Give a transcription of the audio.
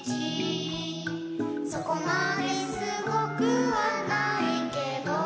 「そこまですごくはないけど」